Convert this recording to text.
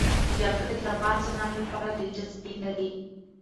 جلګه د افغان ځوانانو لپاره دلچسپي لري.